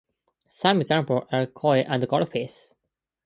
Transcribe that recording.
Some examples are koi and goldfish.